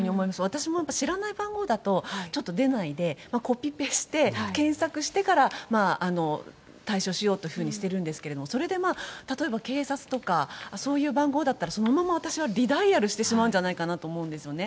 私もやっぱり知らない番号だとちょっと出ないで、コピペして検索してから対処しようというふうにしているんですけれども、それで、例えば警察とか、そういう番号だったら、そのまま私はリダイヤルしてしまうんじゃないかと思うんですね。